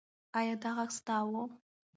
ایا دا غږ ستا و؟